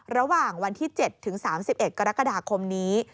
ระหว่างวันที่๗ถึง๓๑กรกฎาคมนี้